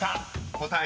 答え